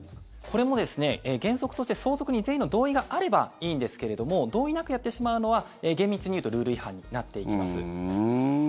これも原則として相続人全員の同意があればいいんですけれども同意なくやってしまうのは厳密に言うとルール違反になっていきます。